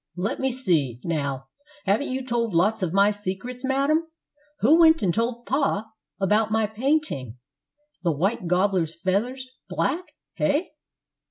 "Let me see, now; haven't you told lots of my secrets, madam? Who went and told pa about my painting the white gobbler's feathers black, hey?